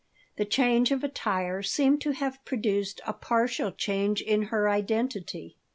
The change of attire seemed to have produced a partial change in her identity.